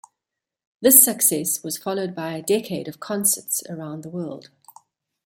This success was followed by a decade of concerts around the world.